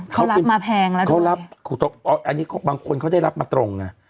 เขารับมาแพงแล้วนะเขารับอันนี้บางคนเขาได้รับมาตรงไง